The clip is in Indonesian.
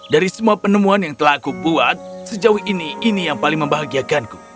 dari semua penemuan yang telah aku buat sejauh ini ini yang paling membahagiakanku